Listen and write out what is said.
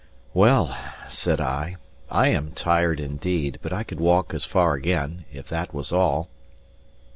"Well," said I, "I am tired indeed, but I could walk as far again, if that was all."